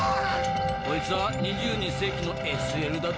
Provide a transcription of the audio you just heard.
こいつは２２世紀のＳＬだど。